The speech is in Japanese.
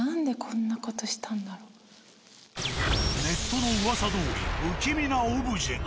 ネットの噂どおり不気味なオブジェが。